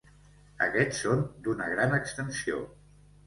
Aquests són d'una gran extensió.